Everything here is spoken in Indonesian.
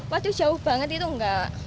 waduh jauh banget itu enggak